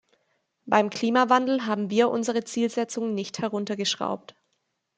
Beim Klimawandel haben wir unsere Zielsetzungen nicht heruntergeschraubt.